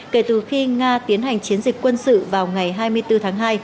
kể từ khi nga tiến hành chiến dịch quân sự vào ngày hai mươi bốn tháng hai